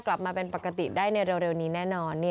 กลับมาเป็นปกติได้ในเร็วนี้แน่นอน